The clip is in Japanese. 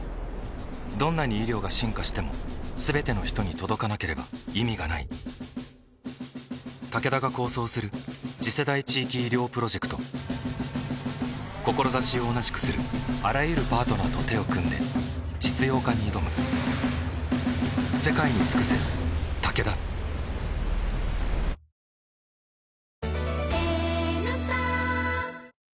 どんなに医療が進化しても全ての人に届かなければ意味がないタケダが構想する次世代地域医療プロジェクト志を同じくするあらゆるパートナーと手を組んで実用化に挑む今日、北日本や東日本では日中広く晴れて過ごしやすい陽気になりました。